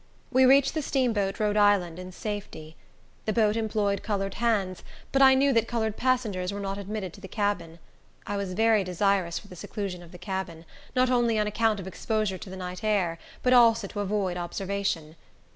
We reached the steamboat Rhode Island in safety. That boat employed colored hands, but I knew that colored passengers were not admitted to the cabin. I was very desirous for the seclusion of the cabin, not only on account of exposure to the night air, but also to avoid observation.